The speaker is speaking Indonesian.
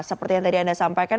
seperti tadi anda sampaikan